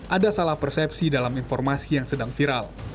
ada salah persepsi dalam informasi yang sedang viral